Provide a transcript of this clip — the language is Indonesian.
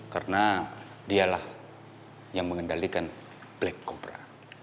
karena dialah yang mengendalikan black cobra